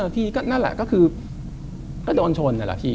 พี่ก็นั่นแหละก็คือก็โดนชนนั่นแหละพี่